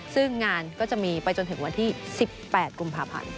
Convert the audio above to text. ซึ่งงานก็จะมีไปจนถึงวันที่๑๘กุมภาพันธ์